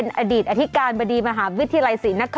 สวัสดีคุณชิสานะฮะสวัสดีคุณชิสานะฮะ